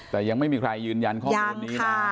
แต่ยังไม่มีใครยืนยันข้อมูลนี้นะ